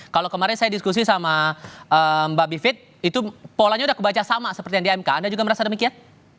kalau kemarin saya diskusi sama mbak bivitri itu polanya sudah kebaca sama seperti yang di mk anda juga merasa demikian